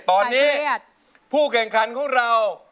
ตอนนี้ผู้แข่งขันของเรา